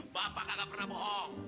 bapak gak pernah bohong